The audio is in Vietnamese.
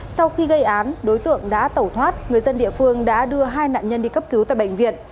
sau khi gây án đối tượng đã tẩu thoát người dân địa phương đã đưa hai nạn nhân đi cấp cứu tại bệnh viện